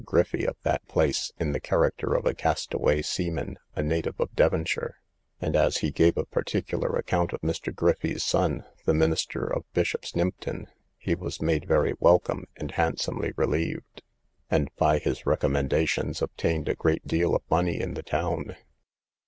Griffy of that place, in the character of a cast away seaman, a native of Devonshire; and, as he gave a particular account of Mr. Griffy's son, the minister of Bishop's Nympton, he was made very welcome, and handsomely relieved, and by his recommendations obtained a great deal of money in the town.